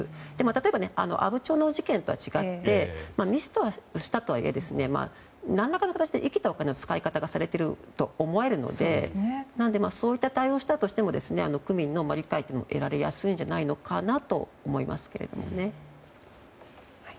例えば、阿武町の事件とは違ってミスをしたとはいえ何らかの形で生きたお金の使い方がされていると思えるのでそういった対応をしたとしても区民の理解は得られやすいんじゃないかとは思いますけどね。